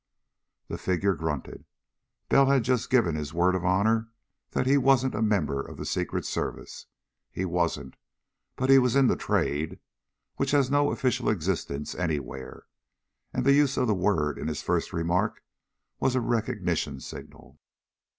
The figure grunted. Bell had just given his word of honor that he wasn't a member of the Secret Service. He wasn't. But he was in the Trade which has no official existence anywhere. And the use of the word in his first remark was a recognition signal.